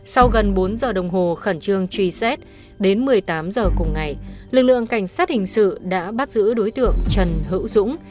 sau gần bốn giờ đồng hồ khẩn trương truy xét đến một mươi tám h cùng ngày lực lượng cảnh sát hình sự đã bắt giữ đối tượng trần hữu dũng